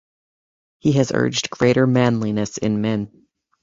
He has urged greater "manliness" in men.